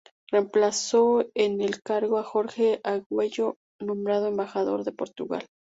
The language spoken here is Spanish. Reemplazó en el cargo a Jorge Argüello, nombrado embajador en Portugal.